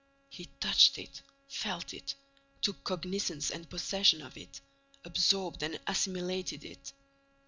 He touched it, felt it, took cognizance and possession of it, absorbed and assimilated it.